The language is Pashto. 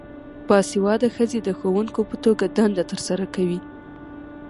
باسواده ښځې د ښوونکو په توګه دنده ترسره کوي.